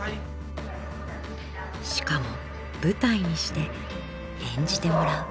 しかも舞台にして演じてもらう。